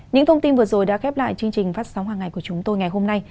những thông tin vừa rồi đã khép lại chương trình phát sóng hàng ngày của chúng tôi ngày hôm nay